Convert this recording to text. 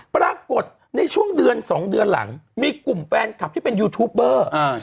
ปรากฏในช่วงเดือนสองเดือนหลังมีกลุ่มแฟนคลับที่เป็นยูทูปเบอร์